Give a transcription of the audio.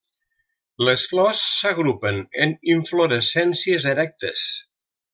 Les flors s'agrupen en inflorescències erectes.